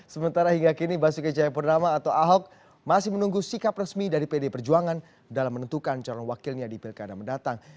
sementara hingga kini basuki cahayapurnama atau ahok masih menunggu sikap resmi dari pd perjuangan dalam menentukan calon wakilnya di pilkada mendatang